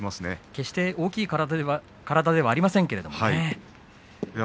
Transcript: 決して大きな体ではありませんけどね。